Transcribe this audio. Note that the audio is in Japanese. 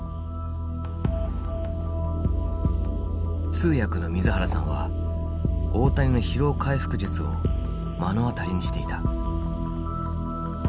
通訳の水原さんは大谷の疲労回復術を目の当たりにしていた。